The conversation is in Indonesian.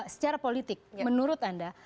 secara politik menurut anda